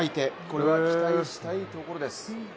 これは期待したいところです。